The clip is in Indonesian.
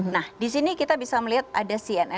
nah di sini kita bisa melihat ada setelah itu